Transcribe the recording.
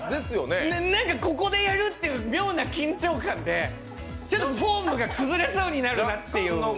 何かここでやるという妙な緊張感で、ちょっとフォームが崩れそうになるなっていう。